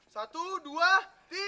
satu dua tih